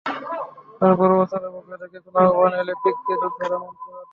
তারপরও ওচালানের পক্ষ থেকে কোনো আহ্বান এলে পিকেকে যোদ্ধারা মানতে বাধ্য।